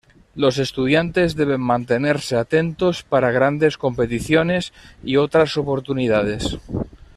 Los estudiantes deben mantenerse atentos para grandes competiciones y otras oportunidades.